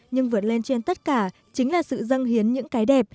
nhưng vượt lên trên tất cả chính là sự dân hiến những cái đẹp